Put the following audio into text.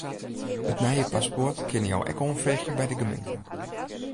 It nije paspoart kinne jo ek oanfreegje by de gemeente.